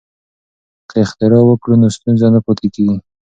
که اختراع وکړو نو ستونزه نه پاتې کیږي.